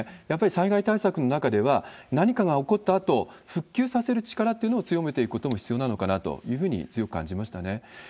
やっぱり災害対策の中では、何かが起こったあと、復旧させる力というのを強めていくことも必要なのかなというふうに強く感じましたね。